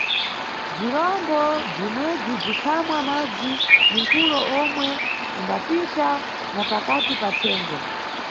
Bzirombo bzimwebzi bzikhamwa madzi munkulo omwe umbapita na pakati pathengo.